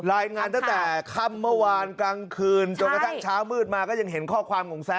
รายงานตั้งแต่ค่ำเมื่อวานกลางคืนจนกระทั่งเช้ามืดมาก็ยังเห็นข้อความของแซะ